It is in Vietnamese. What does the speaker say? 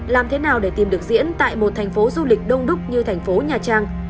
làm thế nào để tìm được diễn tại một thành phố du lịch đông đúc như thành phố nhà trang